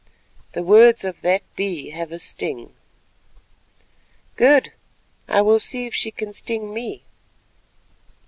The words of that Bee have a sting." "Good; I will see if she can sting me."